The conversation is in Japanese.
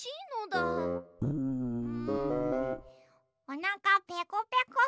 おなかペコペコ。